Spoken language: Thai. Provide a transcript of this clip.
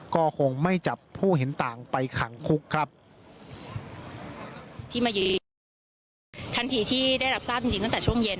ก็คงไม่จับผู้เห็นต่างไปขังคุกครับที่มายืนทันทีที่ได้รับทราบจริงจริงตั้งแต่ช่วงเย็น